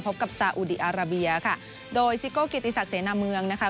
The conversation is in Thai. พบกับสาอุดีอาราเบียค่ะโดยซิโก่กิตอีสักเสนาเมืองนะคะ